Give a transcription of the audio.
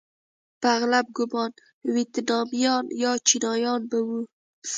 په اغلب ګومان ویتنامیان یا چینایان به وو.